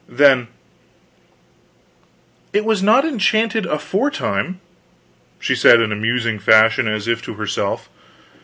Then: "It was not enchanted aforetime," she said in a musing fashion, as if to herself.